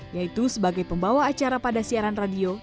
yaitu sebagai pembawa acara pada siaran radio